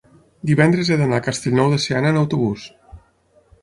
divendres he d'anar a Castellnou de Seana amb autobús.